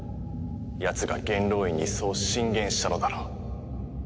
やつが元老院にそう進言したのだろう。